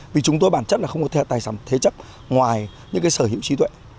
vì chúng tôi bản chất là không có tài sản thế chấp ngoài những cái sở hữu trí tuệ